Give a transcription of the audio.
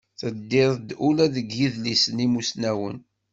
Teddiḍ-d ula deg yidlisen n yimusnawen.